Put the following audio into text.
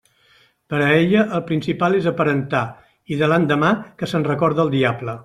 Per a ella el principal és aparentar, i de l'endemà que se'n recorde el diable.